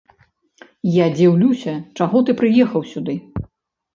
Я дзіўлюся, чаго ты прыехаў сюды.